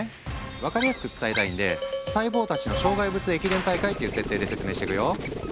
分かりやすく伝えたいんで細胞たちの障害物駅伝大会っていう設定で説明していくよ。